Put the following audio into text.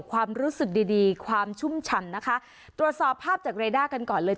ความรู้สึกดีดีความชุ่มฉ่ำนะคะตรวจสอบภาพจากเรด้ากันก่อนเลย